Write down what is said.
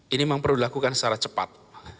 ini memang perlu dilakukan secara cepat